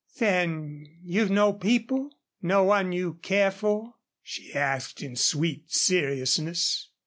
"Then you've no people no one you care for?" she asked, in sweet seriousness.